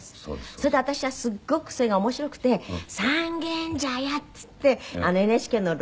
それで私はすっごくそれが面白くて「三軒茶屋！」って言ってＮＨＫの廊下を。